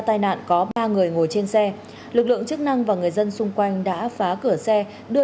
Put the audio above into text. tai nạn có ba người ngồi trên xe lực lượng chức năng và người dân xung quanh đã phá cửa xe đưa